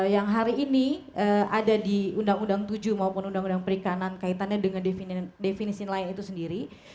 yang hari ini ada di undang undang tujuh maupun undang undang perikanan kaitannya dengan definisi nelayan itu sendiri